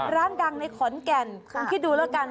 ร้านดังในขอนแก่นคุณคิดดูแล้วกัน